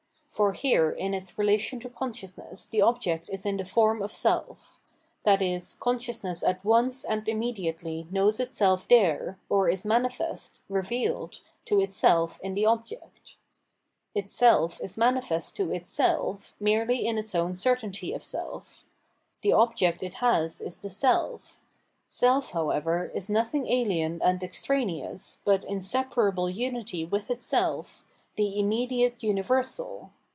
For here in its relation to consciousness the object is in the form of self ; i.e. consciousness at once and immediately knows, itself there, or is manifest, revealed, to itself in the object. Itself is manifest to itself merely in its own certainty of self; the object it has is the self; self, how ever, is nothing ahen and extraneous, but inseparable unity with itself, the immediate universal.